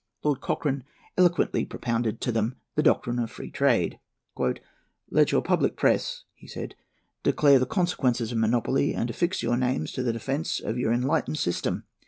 Lord Cochrane eloquently propounded to them the doctrine of free trade. "Let your public press," he said, "declare the consequences of monopoly, and affix your names to the defence of your enlightened system.